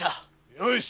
よし。